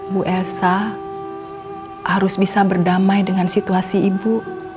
bu elsa harus bisa berdamai dengan situasi ibu